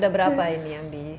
ada berapa ini yang